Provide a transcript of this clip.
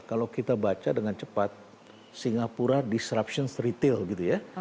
kalau kita baca dengan cepat singapura disruption retail gitu ya